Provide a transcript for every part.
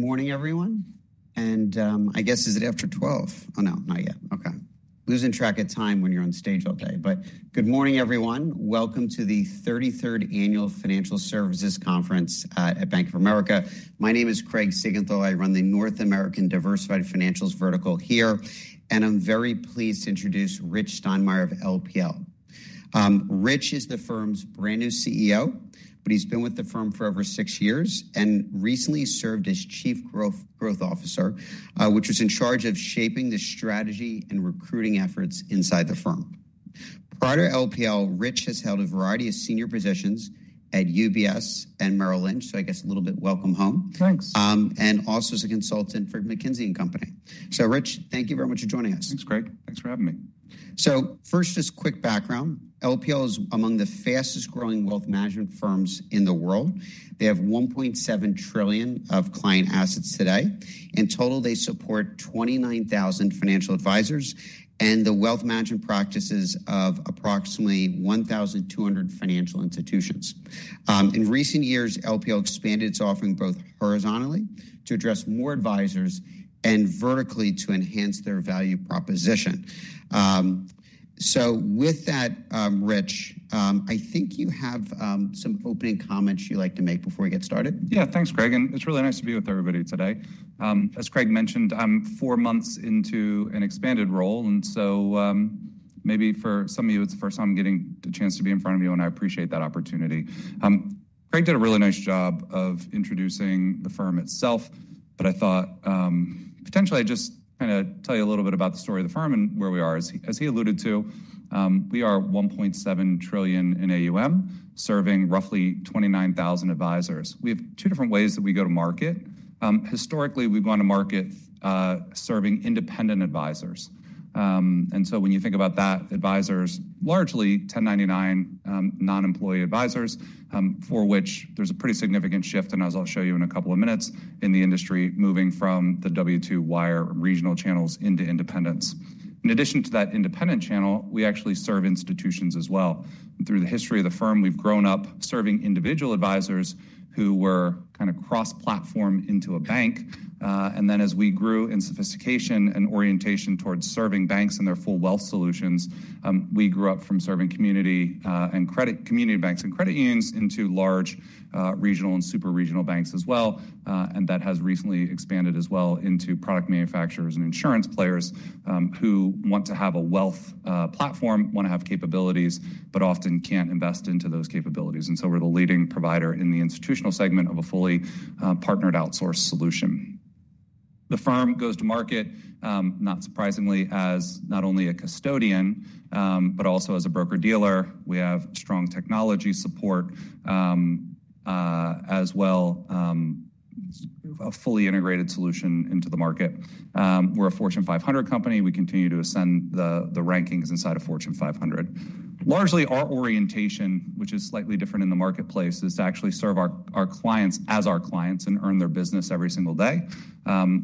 Morning, everyone. And, I guess, is it after 12:00? Oh, no, not yet. Okay. Losing track of time when you're on stage all day. But good morning, everyone. Welcome to the 33rd Annual Financial Services Conference at Bank of America. My name is Craig Siegenthaler. I run the North American Diversified Financials vertical here. And I'm very pleased to introduce Rich Steinmeier of LPL. Rich is the firm's brand new CEO, but he's been with the firm for over six years and recently served as Chief Growth Officer, which was in charge of shaping the strategy and recruiting efforts inside the firm. Prior to LPL, Rich has held a variety of senior positions at UBS and Merrill Lynch, so I guess a little bit welcome home. Thanks. and also as a consultant for McKinsey & Company. So, Rich, thank you very much for joining us. Thanks, Craig. Thanks for having me. So, first, just quick background. LPL is among the fastest-growing wealth management firms in the world. They have $1.7 trillion of client assets today. In total, they support 29,000 financial advisors and the wealth management practices of approximately 1,200 financial institutions. In recent years, LPL expanded its offering both horizontally to address more advisors and vertically to enhance their value proposition. So with that, Rich, I think you have some opening comments you'd like to make before we get started. Yeah, thanks, Craig. And it's really nice to be with everybody today. As Craig mentioned, I'm four months into an expanded role. And so, maybe for some of you, it's the first time I'm getting the chance to be in front of you, and I appreciate that opportunity. Craig did a really nice job of introducing the firm itself, but I thought, potentially I'd just kind of tell you a little bit about the story of the firm and where we are. As he alluded to, we are $1.7 trillion in AUM, serving roughly 29,000 advisors. We have two different ways that we go to market. Historically, we've gone to market, serving independent advisors. And so when you think about that, advisors largely 1099, non-employee advisors, for which there's a pretty significant shift, and as I'll show you in a couple of minutes, in the industry moving from the W-2 wirehouse regional channels into independents. In addition to that independent channel, we actually serve institutions as well. And through the history of the firm, we've grown up serving individual advisors who were kind of cross-platform into a bank. And then as we grew in sophistication and orientation towards serving banks and their full wealth solutions, we grew up from serving community banks and credit unions into large regional and super regional banks as well. And that has recently expanded as well into product manufacturers and insurance players, who want to have a wealth platform, want to have capabilities, but often can't invest into those capabilities. And so we're the leading provider in the institutional segment of a fully partnered outsourced solution. The firm goes to market, not surprisingly, as not only a custodian, but also as a broker-dealer. We have strong technology support, as well as a fully integrated solution into the market. We're a Fortune 500 company. We continue to ascend the rankings inside of Fortune 500. Largely, our orientation, which is slightly different in the marketplace, is to actually serve our clients as our clients and earn their business every single day.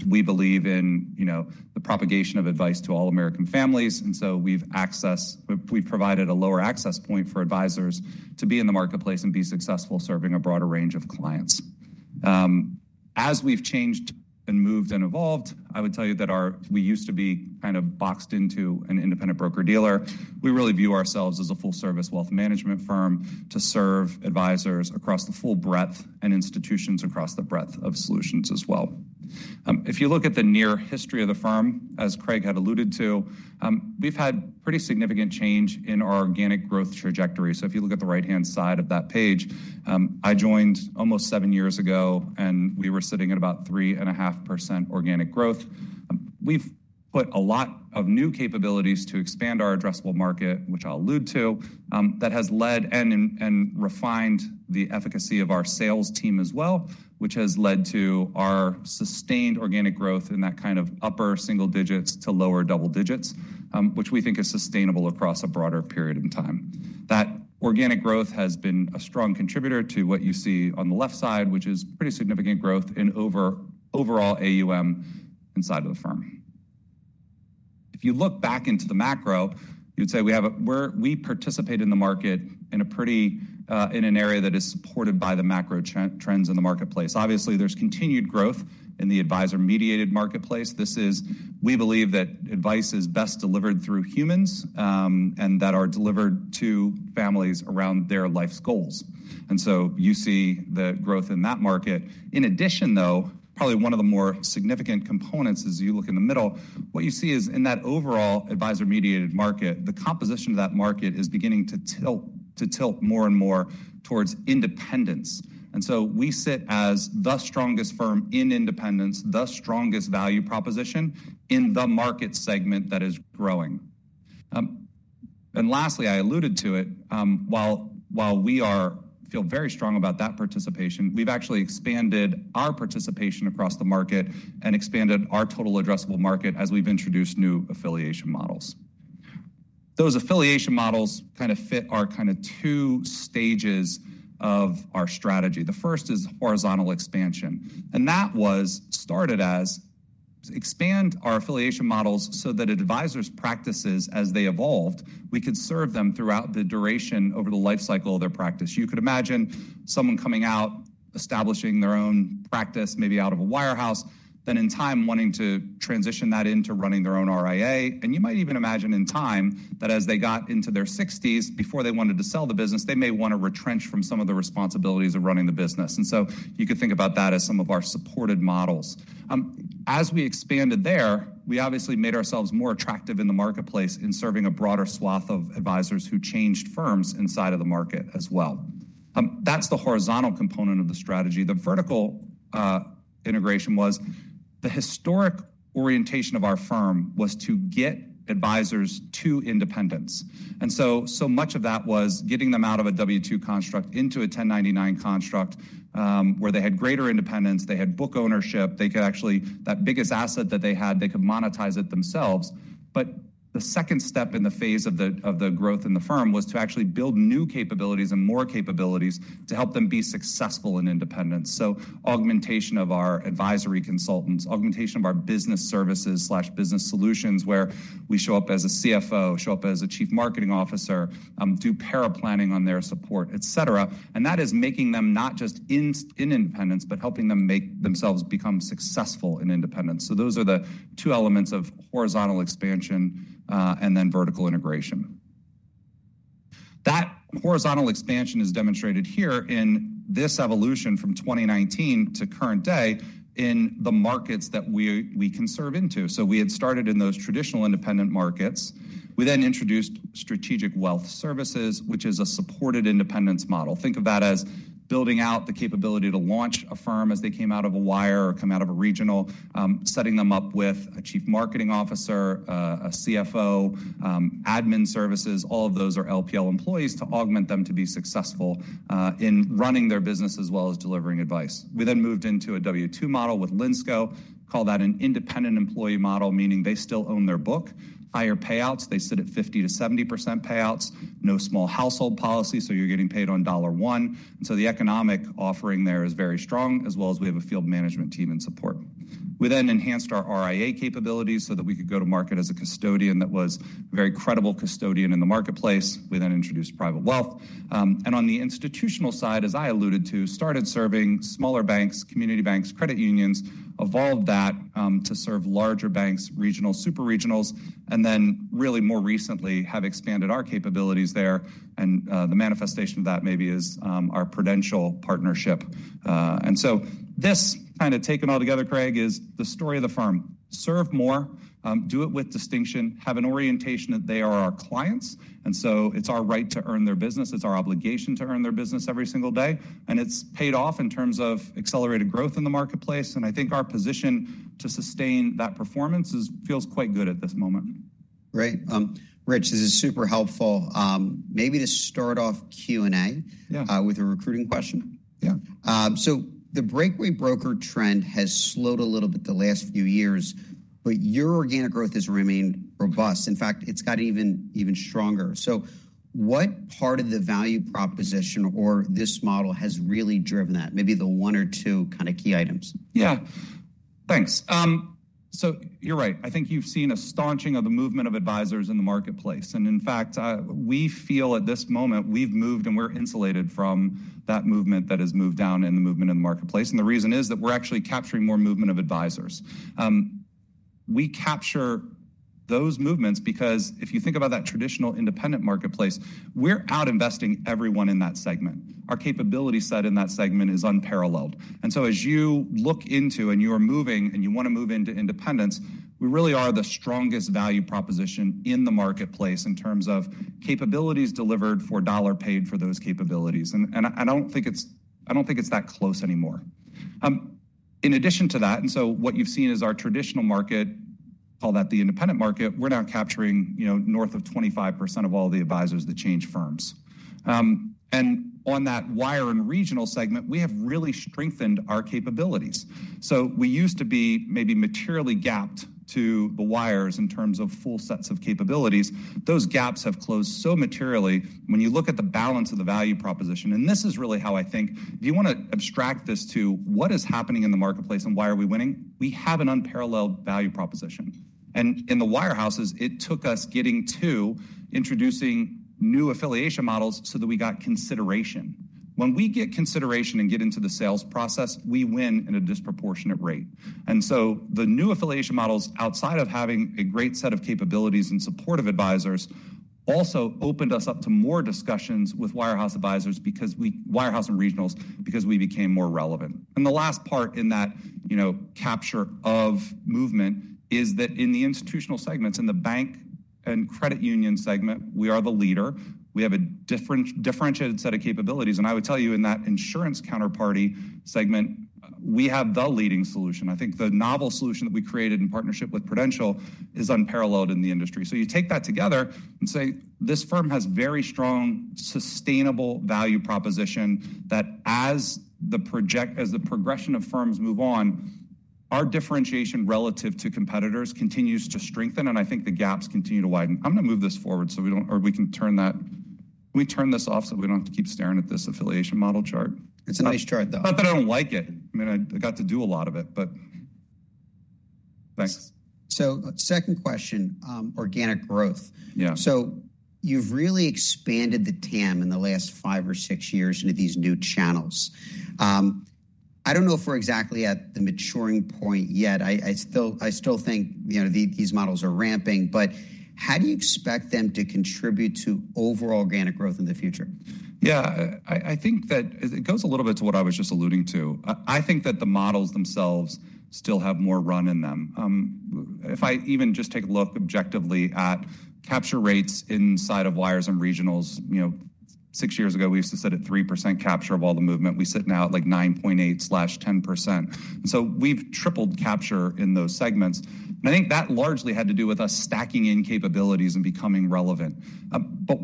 We believe in, you know, the propagation of advice to all American families. And so we have access. We've provided a lower access point for advisors to be in the marketplace and be successful serving a broader range of clients. As we've changed and moved and evolved, I would tell you that we used to be kind of boxed into an independent broker-dealer. We really view ourselves as a full-service wealth management firm to serve advisors across the full breadth and institutions across the breadth of solutions as well. If you look at the near history of the firm, as Craig had alluded to, we've had pretty significant change in our organic growth trajectory, so if you look at the right-hand side of that page, I joined almost seven years ago, and we were sitting at about 3.5% organic growth. We've put a lot of new capabilities to expand our addressable market, which I'll allude to, that has led and refined the efficacy of our sales team as well, which has led to our sustained organic growth in that kind of upper single digits to lower double digits, which we think is sustainable across a broader period of time. That organic growth has been a strong contributor to what you see on the left side, which is pretty significant growth in overall AUM inside of the firm. If you look back into the macro, you'd say we participate in the market in a pretty in an area that is supported by the macro trends in the marketplace. Obviously, there's continued growth in the advisor-mediated marketplace. This is, we believe, that advice is best delivered through humans, and that are delivered to families around their life's goals. So you see the growth in that market. In addition, though, probably one of the more significant components is you look in the middle, what you see is in that overall advisor-mediated market, the composition of that market is beginning to tilt more and more towards independence. So we sit as the strongest firm in independence, the strongest value proposition in the market segment that is growing. Lastly, I alluded to it, while we feel very strong about that participation, we've actually expanded our participation across the market and expanded our total addressable market as we've introduced new affiliation models. Those affiliation models kind of fit our kind of two stages of our strategy. The first is horizontal expansion. And that was started as expand our affiliation models so that advisors' practices, as they evolved, we could serve them throughout the duration over the life cycle of their practice. You could imagine someone coming out, establishing their own practice, maybe out of a wirehouse, then in time wanting to transition that into running their own RIA. And you might even imagine in time that as they got into their 60s, before they wanted to sell the business, they may want to retrench from some of the responsibilities of running the business. And so you could think about that as some of our supported models. As we expanded there, we obviously made ourselves more attractive in the marketplace in serving a broader swath of advisors who changed firms inside of the market as well. That's the horizontal component of the strategy. The vertical integration was the historic orientation of our firm to get advisors to independence. And so much of that was getting them out of a W-2 construct into a 1099 construct, where they had greater independence, they had book ownership, they could actually that biggest asset that they had, they could monetize it themselves. But the second step in the phase of the growth in the firm was to actually build new capabilities and more capabilities to help them be successful in independence. So augmentation of our advisory consultants, augmentation of our business services/business solutions, where we show up as a CFO, show up as a chief marketing officer, do paraplanning on their support, et cetera. And that is making them not just in independence, but helping them make themselves become successful in independence. Those are the two elements of horizontal expansion, and then vertical integration. That horizontal expansion is demonstrated here in this evolution from 2019 to current day in the markets that we can serve into. We had started in those traditional independent markets. We then introduced Strategic Wealth Services, which is a supported independence model. Think of that as building out the capability to launch a firm as they came out of a wire or come out of a regional, setting them up with a chief marketing officer, a CFO, admin services. All of those are LPL employees to augment them to be successful, in running their business as well as delivering advice. We then moved into a W-2 model with Linsco. Call that an independent employee model, meaning they still own their book. Higher payouts. They sit at 50%-70% payouts. No small household policy, so you're getting paid on dollar one. And so the economic offering there is very strong, as well as we have a field management team in support. We then enhanced our RIA capabilities so that we could go to market as a custodian that was a very credible custodian in the marketplace. We then introduced Private Wealth. And on the institutional side, as I alluded to, started serving smaller banks, community banks, credit unions, evolved that to serve larger banks, regionals, super regionals, and then really more recently have expanded our capabilities there. And the manifestation of that maybe is our Prudential partnership. And so this kind of taken all together, Craig, is the story of the firm. Serve more, do it with distinction, have an orientation that they are our clients. And so it's our right to earn their business. It's our obligation to earn their business every single day. And it's paid off in terms of accelerated growth in the marketplace. And I think our position to sustain that performance feels quite good at this moment. Great. Rich, this is super helpful. Maybe to start off Q&A. Yeah. with a recruiting question. Yeah. So the breakaway broker trend has slowed a little bit the last few years, but your organic growth has remained robust. In fact, it's gotten even stronger. So what part of the value proposition or this model has really driven that? Maybe the one or two kind of key items. Yeah. Thanks. So you're right. I think you've seen a staunching of the movement of advisors in the marketplace. And in fact, we feel at this moment we've moved and we're insulated from that movement that has moved down in the movement in the marketplace. And the reason is that we're actually capturing more movement of advisors. We capture those movements because if you think about that traditional independent marketplace, we're out investing everyone in that segment. Our capability set in that segment is unparalleled. And so as you look into and you are moving and you want to move into independence, we really are the strongest value proposition in the marketplace in terms of capabilities delivered for dollar paid for those capabilities. And I don't think it's that close anymore. In addition to that, and so what you've seen is our traditional market, call that the independent market, we're now capturing, you know, north of 25% of all the advisors that change firms, and on that wire and regional segment, we have really strengthened our capabilities, so we used to be maybe materially gapped to the wires in terms of full sets of capabilities. Those gaps have closed so materially. When you look at the balance of the value proposition, and this is really how I think, if you want to abstract this to what is happening in the marketplace and why are we winning, we have an unparalleled value proposition, and in the wirehouses, it took us getting to introducing new affiliation models so that we got consideration. When we get consideration and get into the sales process, we win at a disproportionate rate. And so the new affiliation models outside of having a great set of capabilities and supportive advisors also opened us up to more discussions with wirehouse advisors, wirehouses and regionals, because we became more relevant. And the last part in that, you know, capture of movement is that in the institutional segments, in the bank and credit union segment, we are the leader. We have a differentiated set of capabilities. And I would tell you in that insurance counterparty segment, we have the leading solution. I think the novel solution that we created in partnership with Prudential is unparalleled in the industry. So you take that together and say, this firm has a very strong, sustainable value proposition that as the progression of firms move on, our differentiation relative to competitors continues to strengthen. And I think the gaps continue to widen. I'm going to move this forward so we can turn this off so we don't have to keep staring at this affiliation model chart. It's a nice chart, though. Not that I don't like it. I mean, I got to do a lot of it, but thanks. Second question, organic growth. Yeah. So you've really expanded the TAM in the last five or six years into these new channels. I don't know if we're exactly at the maturing point yet. I still think, you know, these models are ramping, but how do you expect them to contribute to overall organic growth in the future? Yeah, I think that it goes a little bit to what I was just alluding to. I think that the models themselves still have more run in them. If I even just take a look objectively at capture rates inside of wires and regionals, you know, six years ago, we used to sit at 3% capture of all the movement. We sit now at like 9.8%-10%. And so we've tripled capture in those segments. And I think that largely had to do with us stacking in capabilities and becoming relevant. But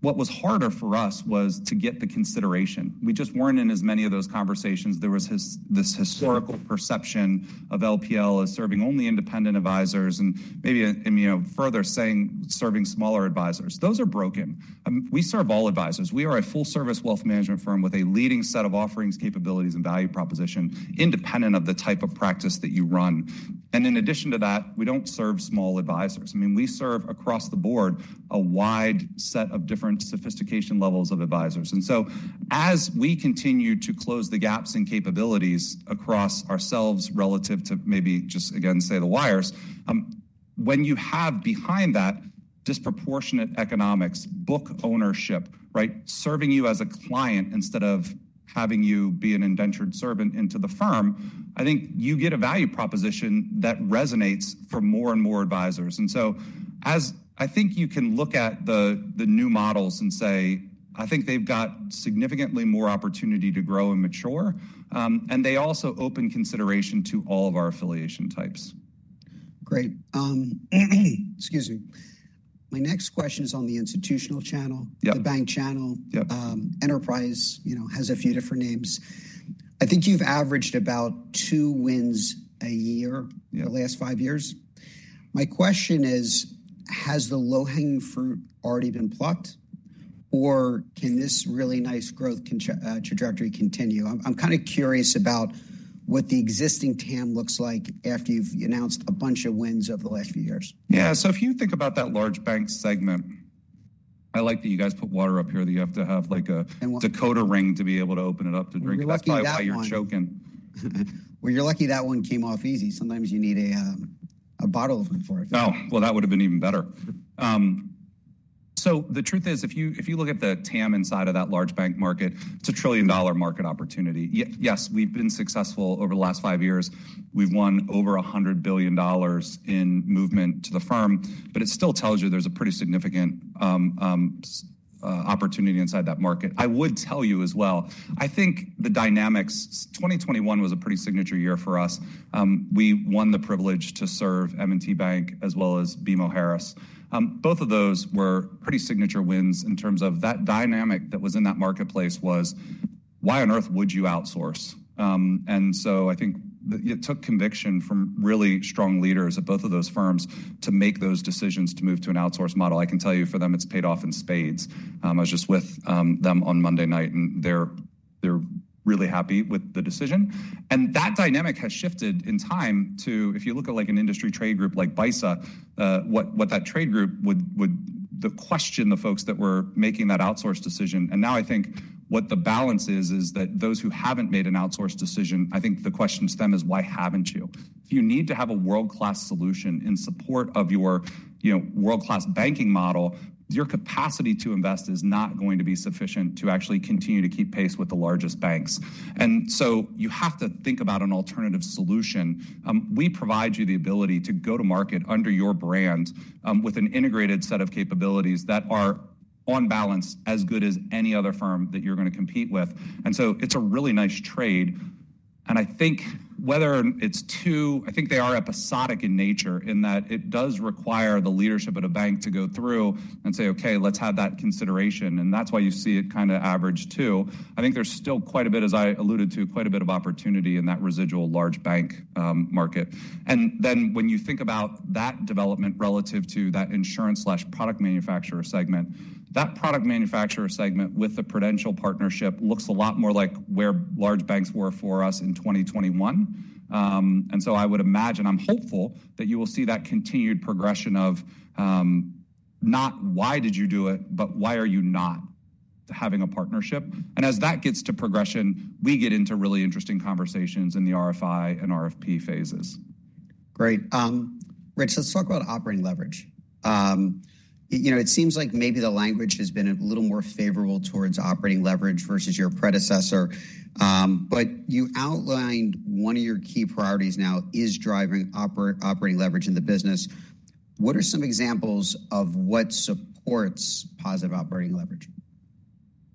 what was harder for us was to get the consideration. We just weren't in as many of those conversations. There was this historical perception of LPL as serving only independent advisors and maybe, you know, further saying, serving smaller advisors. Those are broken. We serve all advisors. We are a full-service wealth management firm with a leading set of offerings, capabilities, and value proposition independent of the type of practice that you run. And in addition to that, we don't serve small advisors. I mean, we serve across the board a wide set of different sophistication levels of advisors. And so as we continue to close the gaps in capabilities across ourselves relative to maybe just, again, say the wires, when you have behind that disproportionate economics, book ownership, right, serving you as a client instead of having you be an indentured servant into the firm, I think you get a value proposition that resonates for more and more advisors. And so as I think you can look at the new models and say, I think they've got significantly more opportunity to grow and mature, and they also open consideration to all of our affiliation types. Great. Excuse me. My next question is on the institutional channel. Yeah. The bank channel. Yeah. Enterprise, you know, has a few different names. I think you've averaged about two wins a year the last five years. My question is, has the low-hanging fruit already been plucked, or can this really nice growth trajectory continue? I'm kind of curious about what the existing TAM looks like after you've announced a bunch of wins over the last few years. Yeah. So if you think about that large bank segment, I like that you guys put water up here that you have to have like a quarter turn to be able to open it up to drink. You're lucky that you're choking. Well, you're lucky that one came off easy. Sometimes you need a bottle of them for it. Oh, well, that would have been even better. So the truth is, if you look at the TAM inside of that large bank market, it's a $1 trillion market opportunity. Yes, we've been successful over the last five years. We've won over $100 billion in movement to the firm, but it still tells you there's a pretty significant opportunity inside that market. I would tell you as well. I think the dynamics 2021 was a pretty signature year for us. We won the privilege to serve M&T Bank as well as BMO Harris. Both of those were pretty signature wins in terms of that dynamic in that marketplace, why on earth would you outsource? And so I think it took conviction from really strong leaders at both of those firms to make those decisions to move to an outsource model. I can tell you for them, it's paid off in spades. I was just with them on Monday night, and they're really happy with the decision. And that dynamic has shifted over time, too, if you look at like an industry trade group like BISA, what that trade group would question the folks that were making that outsource decision. And now I think what the balance is that those who haven't made an outsource decision, I think the question to them is, why haven't you? If you need to have a world-class solution in support of your, you know, world-class banking model, your capacity to invest is not going to be sufficient to actually continue to keep pace with the largest banks. And so you have to think about an alternative solution. We provide you the ability to go to market under your brand, with an integrated set of capabilities that are on balance as good as any other firm that you're going to compete with, and so it's a really nice trade, and I think whether it's two, I think they are episodic in nature in that it does require the leadership of the bank to go through and say, okay, let's have that consideration, and that's why you see it kind of average two. I think there's still quite a bit, as I alluded to, quite a bit of opportunity in that residual large bank market, and then when you think about that development relative to that insurance/product manufacturer segment, that product manufacturer segment with the Prudential partnership looks a lot more like where large banks were for us in 2021. And so I would imagine, I'm hopeful that you will see that continued progression of not why did you do it, but why are you not having a partnership, and as that gets to progression, we get into really interesting conversations in the RFI and RFP phases. Great. Rich, let's talk about operating leverage. You know, it seems like maybe the language has been a little more favorable towards operating leverage versus your predecessor. But you outlined one of your key priorities now is driving operating leverage in the business. What are some examples of what supports positive operating leverage?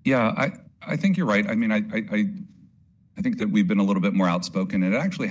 Yeah, I think you're right. I mean, I think that we've been a little bit more outspoken, and it actually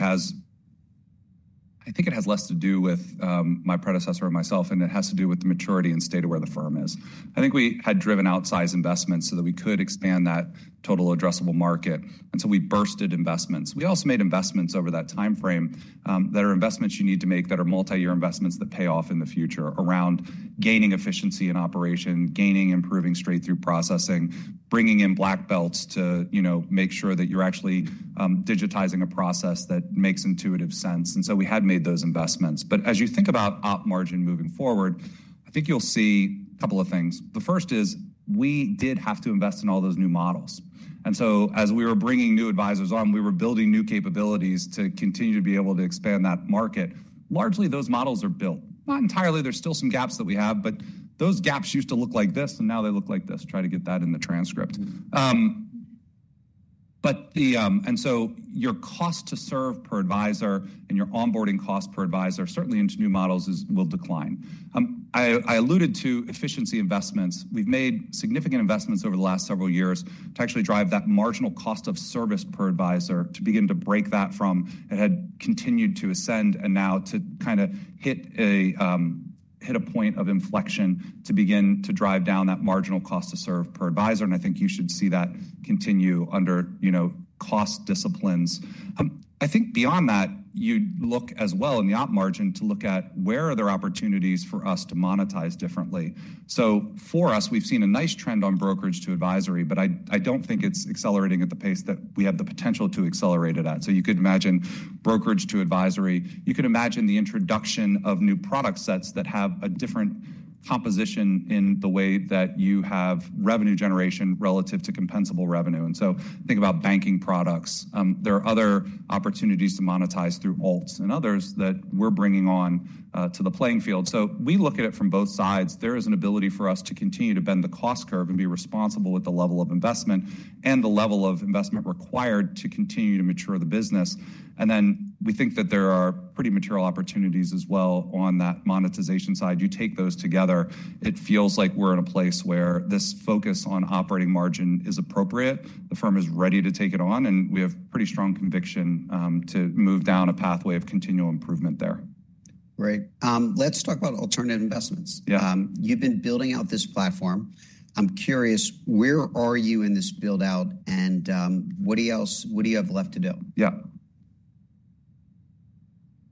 has less to do with my predecessor and myself, and it has to do with the maturity and state of where the firm is. I think we had driven outsize investments so that we could expand that total addressable market, and so we bursted investments. We also made investments over that time frame that are investments you need to make that are multi-year investments that pay off in the future around gaining efficiency in operation, gaining improving straight-through processing, bringing in black belts to you know make sure that you're actually digitizing a process that makes intuitive sense, and so we had made those investments, but as you think about op margin moving forward, I think you'll see a couple of things. The first is we did have to invest in all those new models. And so as we were bringing new advisors on, we were building new capabilities to continue to be able to expand that market. Largely, those models are built. Not entirely. There's still some gaps that we have, but those gaps used to look like this, and now they look like this. But the, and so your cost to serve per advisor and your onboarding cost per advisor certainly into new models will decline. I alluded to efficiency investments. We've made significant investments over the last several years to actually drive that marginal cost of service per advisor to begin to break that from it had continued to ascend and now to kind of hit a point of inflection to begin to drive down that marginal cost to serve per advisor. And I think you should see that continue under, you know, cost disciplines. I think beyond that, you look as well in the op margin to look at where are there opportunities for us to monetize differently. So for us, we've seen a nice trend on brokerage to advisory, but I don't think it's accelerating at the pace that we have the potential to accelerate it at. So you could imagine brokerage to advisory. You could imagine the introduction of new product sets that have a different composition in the way that you have revenue generation relative to compensable revenue. And so think about banking products. There are other opportunities to monetize through alts and others that we're bringing on to the playing field. So we look at it from both sides. There is an ability for us to continue to bend the cost curve and be responsible with the level of investment and the level of investment required to continue to mature the business. And then we think that there are pretty material opportunities as well on that monetization side. You take those together, it feels like we're in a place where this focus on operating margin is appropriate. The firm is ready to take it on, and we have pretty strong conviction to move down a pathway of continual improvement there. Great. Let's talk about alternative investments. Yeah. You've been building out this platform. I'm curious, where are you in this build-out and what else do you have left to do? Yeah,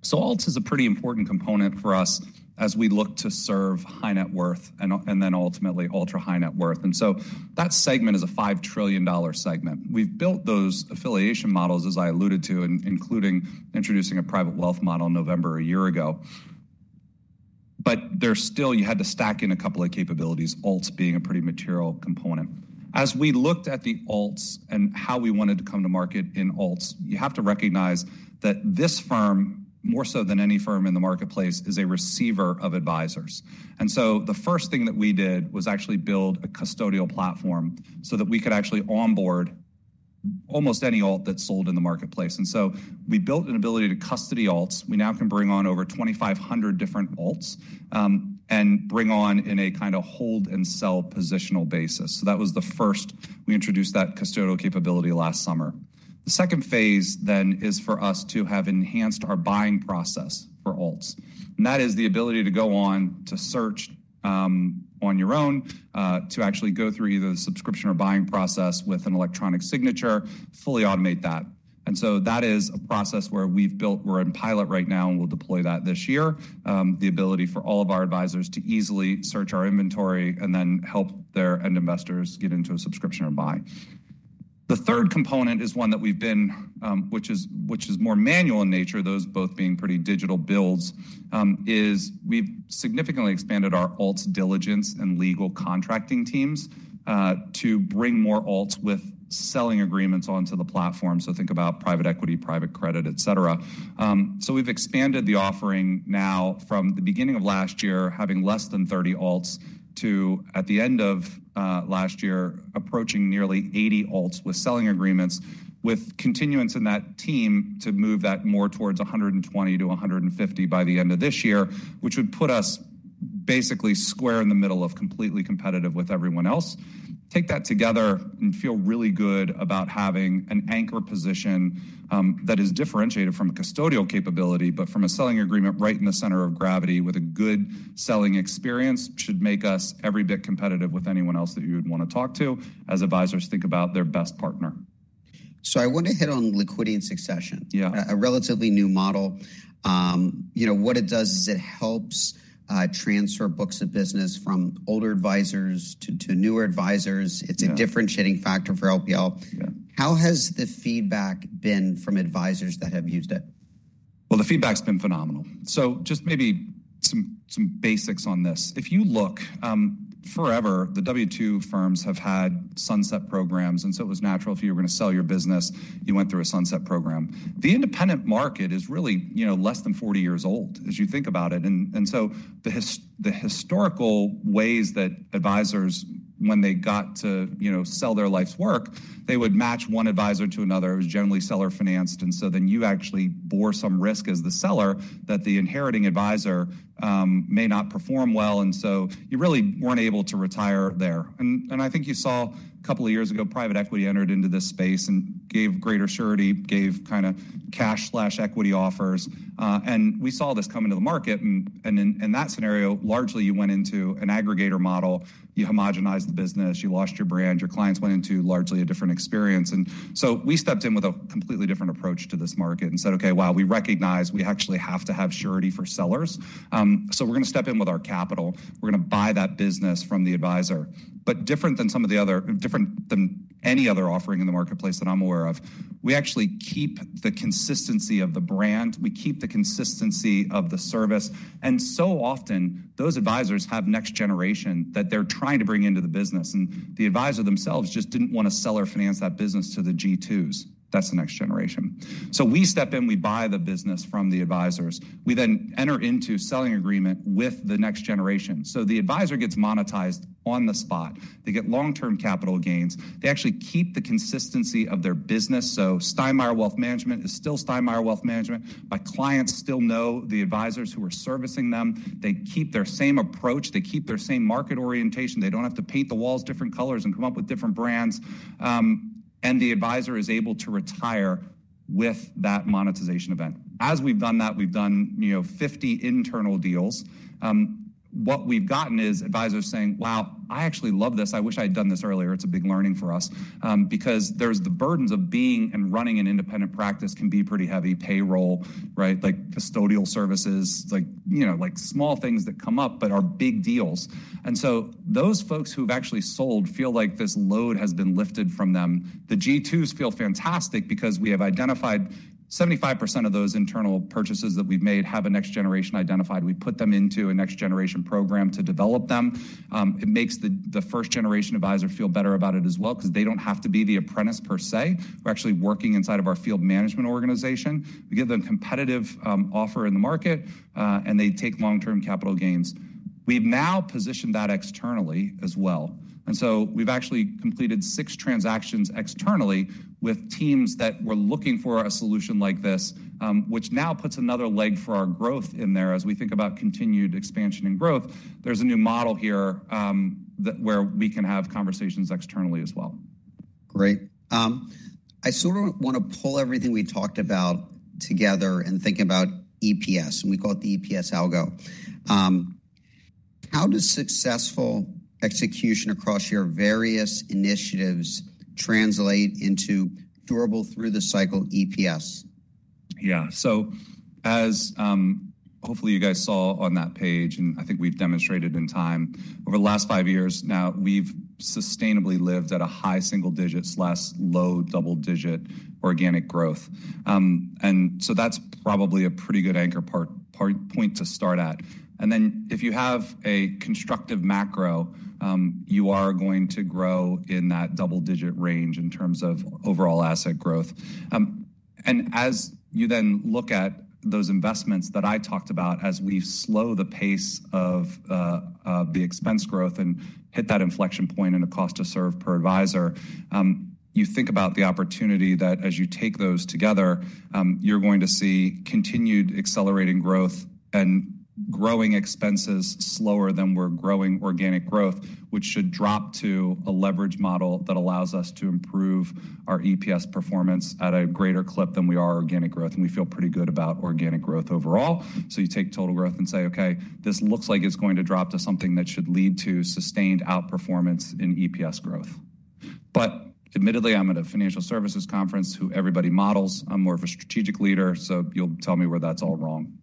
so alts is a pretty important component for us as we look to serve high net worth and then ultimately ultra-high net worth, and so that segment is a $5 trillion segment. We've built those affiliation models, as I alluded to, including introducing a Private Wealth model in November a year ago. But there's still you had to stack in a couple of capabilities, alts being a pretty material component. As we looked at the alts and how we wanted to come to market in alts, you have to recognize that this firm, more so than any firm in the marketplace, is a receiver of advisors, and so the first thing that we did was actually build a custodial platform so that we could actually onboard almost any alt that sold in the marketplace, and so we built an ability to custody alts. We now can bring on over 2,500 different alts, and bring on in a kind of hold-and-sell positional basis. That was the first. We introduced that custodial capability last summer. The second phase then is for us to have enhanced our buying process for alts. That is the ability to go on to search, on your own, to actually go through either the subscription or buying process with an electronic signature, fully automate that. That is a process where we've built. We're in pilot right now and we'll deploy that this year, the ability for all of our advisors to easily search our inventory and then help their end investors get into a subscription or buy. The third component is one that we've been, which is more manual in nature, those both being pretty digital builds, is we've significantly expanded our alts diligence and legal contracting teams, to bring more alts with selling agreements onto the platform. So think about private equity, private credit, et cetera. So we've expanded the offering now from the beginning of last year, having less than 30 alts to, at the end of last year, approaching nearly 80 alts with selling agreements, with continuance in that team to move that more towards 120-150 by the end of this year, which would put us basically square in the middle of completely competitive with everyone else. Take that together and feel really good about having an anchor position, that is differentiated from a custodial capability, but from a selling agreement right in the center of gravity with a good selling experience should make us every bit competitive with anyone else that you would want to talk to as advisors think about their best partner. So I want to hit on liquidity and succession. Yeah. A relatively new model. You know, what it does is it helps transfer books of business from older advisors to newer advisors. It's a differentiating factor for LPL. Yeah. How has the feedback been from advisors that have used it? The feedback's been phenomenal. Just maybe some basics on this. If you look, forever, the W-2 firms have had sunset programs. It was natural if you were going to sell your business, you went through a sunset program. The independent market is really, you know, less than 40 years old as you think about it. The historical ways that advisors, when they got to, you know, sell their life's work, they would match one advisor to another. It was generally seller-financed. You actually bore some risk as the seller that the inheriting advisor may not perform well. You really weren't able to retire there. I think you saw a couple of years ago, private equity entered into this space and gave greater surety, gave kind of cash/equity offers, and we saw this come into the market. In that scenario, largely, you went into an aggregator model. You homogenized the business. You lost your brand. Your clients went into largely a different experience. And so we stepped in with a completely different approach to this market and said, okay, wow, we recognize we actually have to have surety for sellers. So we're going to step in with our capital. We're going to buy that business from the advisor. But different than any other offering in the marketplace that I'm aware of, we actually keep the consistency of the brand. We keep the consistency of the service. And so often, those advisors have next generation that they're trying to bring into the business. And the advisor themselves just didn't want to seller-finance that business to the G2s. That's the next generation. So we step in. We buy the business from the advisors. We then enter into selling agreement with the next generation, so the advisor gets monetized on the spot. They get long-term capital gains. They actually keep the consistency of their business, so Steinmeier Wealth Management is still Steinmeier Wealth Management. My clients still know the advisors who are servicing them. They keep their same approach. They keep their same market orientation. They don't have to paint the walls different colors and come up with different brands, and the advisor is able to retire with that monetization event. As we've done that, we've done, you know, 50 internal deals. What we've gotten is advisors saying, wow, I actually love this. I wish I had done this earlier. It's a big learning for us, because there's the burdens of being and running an independent practice can be pretty heavy. Payroll, right? Like custodial services, like, you know, like small things that come up, but are big deals. And so those folks who've actually sold feel like this load has been lifted from them. The G2s feel fantastic because we have identified 75% of those internal purchases that we've made have a next generation identified. We put them into a next generation program to develop them. It makes the first generation advisor feel better about it as well because they don't have to be the apprentice per se. We're actually working inside of our field management organization. We give them a competitive offer in the market, and they take long-term capital gains. We've now positioned that externally as well. We've actually completed six transactions externally with teams that were looking for a solution like this, which now puts another leg for our growth in there as we think about continued expansion and growth. There's a new model here, that's where we can have conversations externally as well. Great. I sort of want to pull everything we talked about together and think about EPS. And we call it the EPS algo. How does successful execution across your various initiatives translate into durable through the cycle EPS? Yeah. So as, hopefully you guys saw on that page, and I think we've demonstrated over time over the last five years now, we've sustainably lived at high single digits to low double digit organic growth. And so that's probably a pretty good anchor point to start at. And then if you have a constructive macro, you are going to grow in that double digit range in terms of overall asset growth. And as you then look at those investments that I talked about, as we slow the pace of the expense growth and hit that inflection point and the cost to serve per advisor, you think about the opportunity that as you take those together, you're going to see continued accelerating growth and growing expenses slower than we're growing organic growth, which should drop to a leverage model that allows us to improve our EPS performance at a greater clip than we are organic growth. And we feel pretty good about organic growth overall. So you take total growth and say, okay, this looks like it's going to drop to something that should lead to sustained outperformance in EPS growth. But admittedly, I'm at a financial services conference where everybody models. I'm more of a strategic leader. So you'll tell me where that's all wrong.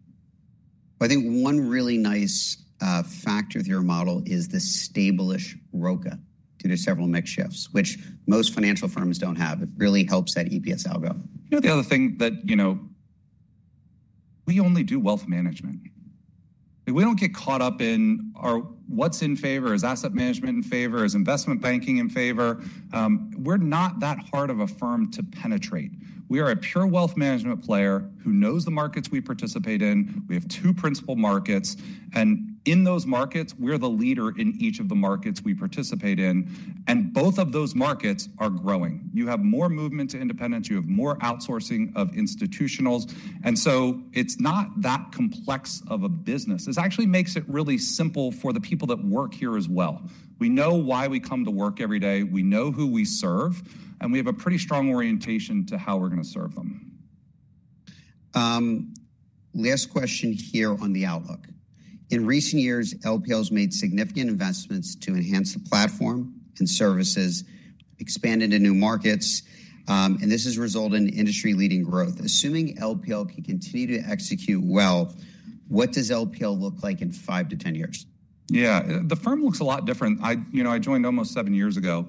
I think one really nice factor with your model is the established ROCA due to several mix shifts, which most financial firms don't have. It really helps that EPS algo. You know, the other thing that, you know, we only do wealth management. We don't get caught up in or what's in favor is asset management, investment banking. We're not that hard of a firm to penetrate. We are a pure wealth management player who knows the markets we participate in. We have two principal markets, and in those markets, we're the leader in each of the markets we participate in, and both of those markets are growing. You have more movement to independence. You have more outsourcing of institutionals, and so it's not that complex of a business. This actually makes it really simple for the people that work here as well. We know why we come to work every day. We know who we serve, and we have a pretty strong orientation to how we're going to serve them. Last question here on the outlook. In recent years, LPL has made significant investments to enhance the platform and services, expand into new markets, and this has resulted in industry-leading growth. Assuming LPL can continue to execute well, what does LPL look like in five to ten years? Yeah, the firm looks a lot different. I, you know, I joined almost seven years ago,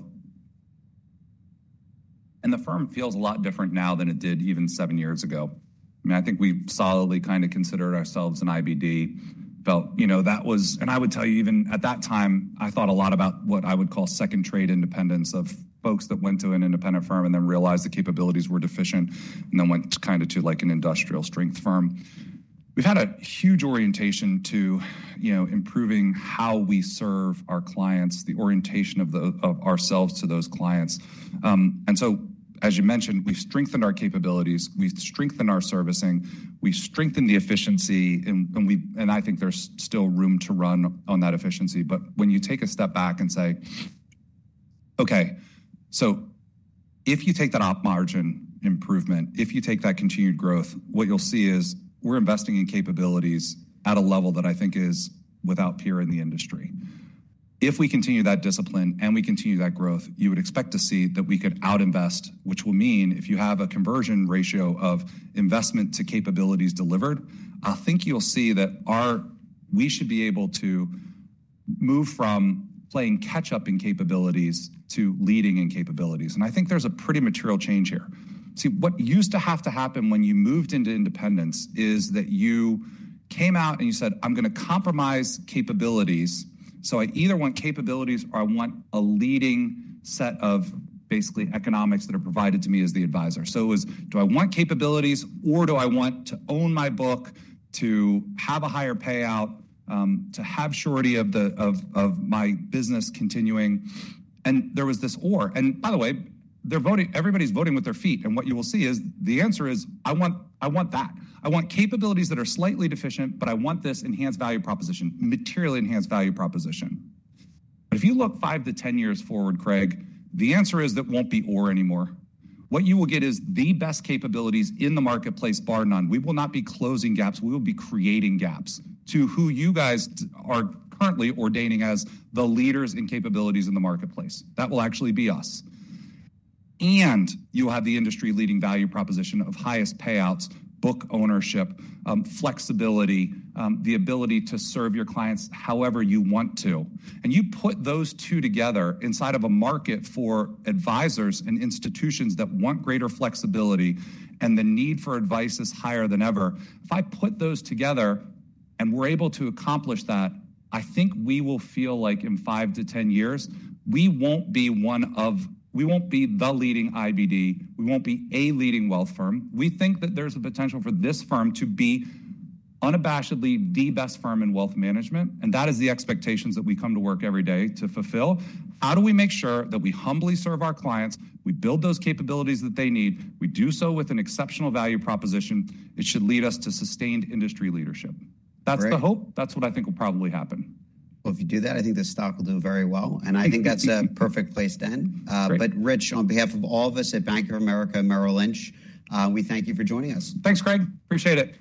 and the firm feels a lot different now than it did even seven years ago. I mean, I think we solidly kind of considered ourselves an IBD. Felt, you know, that was, and I would tell you, even at that time, I thought a lot about what I would call second-trade independence of folks that went to an independent firm and then realized the capabilities were deficient and then went kind of to like an industrial strength firm. We've had a huge orientation to, you know, improving how we serve our clients, the orientation of ourselves to those clients, and so, as you mentioned, we've strengthened our capabilities. We've strengthened our servicing. We've strengthened the efficiency, and we and I think there's still room to run on that efficiency. But when you take a step back and say, okay, so if you take that op margin improvement, if you take that continued growth, what you'll see is we're investing in capabilities at a level that I think is without peer in the industry. If we continue that discipline and we continue that growth, you would expect to see that we could out-invest, which will mean if you have a conversion ratio of investment to capabilities delivered, I think you'll see that we should be able to move from playing catch-up in capabilities to leading in capabilities. And I think there's a pretty material change here. See, what used to have to happen when you moved into independence is that you came out and you said, I'm going to compromise capabilities. So I either want capabilities or I want a leading set of basically economics that are provided to me as the advisor. So it was, do I want capabilities or do I want to own my book to have a higher payout, to have surety of my business continuing? And there was this or. And by the way, everybody's voting with their feet. And what you will see is the answer is I want that. I want capabilities that are slightly deficient, but I want this enhanced value proposition, materially enhanced value proposition. But if you look five to ten years forward, Craig, the answer is that won't be or anymore. What you will get is the best capabilities in the marketplace, bar none. We will not be closing gaps. We will be creating gaps between who you guys are currently anointing as the leaders in capabilities in the marketplace. That will actually be us, and you will have the industry-leading value proposition of highest payouts, book ownership, flexibility, the ability to serve your clients however you want to, and you put those two together inside of a market for advisors and institutions that want greater flexibility and the need for advice is higher than ever. If I put those together and we're able to accomplish that, I think we will feel like in five to 10 years, we won't be one of the leading IBD. We won't be a leading wealth firm. We think that there's a potential for this firm to be unabashedly the best firm in wealth management, and that is the expectations that we come to work every day to fulfill. How do we make sure that we humbly serve our clients? We build those capabilities that they need. We do so with an exceptional value proposition. It should lead us to sustained industry leadership. That's the hope. That's what I think will probably happen. If you do that, I think the stock will do very well. I think that's a perfect place to end. Rich, on behalf of all of us at Bank of America, Merrill Lynch, we thank you for joining us. Thanks, Craig. Appreciate it.